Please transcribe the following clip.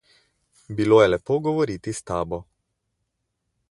Bilo je lepo govoriti s tabo.